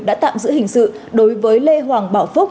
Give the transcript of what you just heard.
đã tạm giữ hình sự đối với lê hoàng bảo phúc